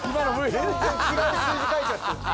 全然違う数字書いちゃってる。